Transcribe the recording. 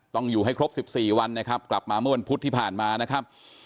ต้องอยู่ให้ครบ๑๔วันนะครับกลับมาเมื่อวันพุธที่ผ่านมานะครับ